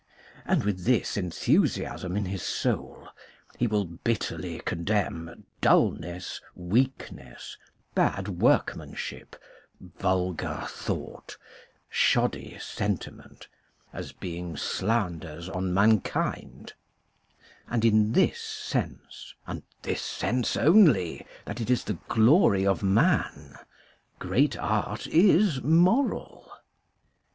And with this enthusiasm in his soul he will bitterly condemn dullness, weakness, bad workmanship, vulgar thought, shoddy sentiment as being slanders on mankind ; and in this sense and this sense only that it is the glory of man great art is moral.